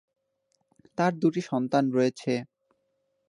তার দুটি সন্তান রয়েছে।